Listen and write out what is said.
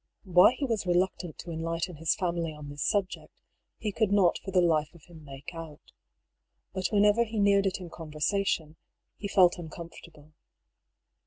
Why he was reluctant to enlighten his family on this subject, he could not for the life of him make oui 24 DR. PAULUS THEORY. But whenever he neared it in conversation, he felt un comfortable.